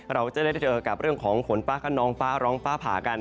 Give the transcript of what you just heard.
เราจะได้เจอกับเรื่องของฝนฟ้าขนองฟ้าร้องฟ้าผ่ากัน